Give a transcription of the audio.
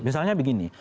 misalnya begini